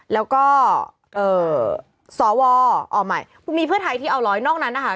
แล้วก็สวอ๋อใหม่คุณมีเพื่อไทยที่เอาร้อยนอกนั้นนะคะ